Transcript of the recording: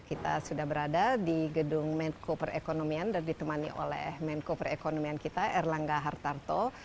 kita sudah berada di gedung menko perekonomian dan ditemani oleh menko perekonomian kita erlangga hartarto